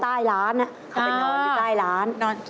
เปลี่ยนตัวเองกันสิเปลี่ยนตัวเองกันสิ